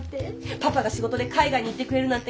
パパが仕事で海外に行ってくれるなんて感謝！